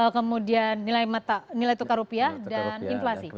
kemudian nilai tukar rupiah dan inflasi